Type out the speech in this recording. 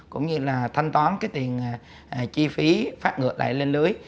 cũng như là thanh toán cái tiền chi phí phát ngược lại lên lưới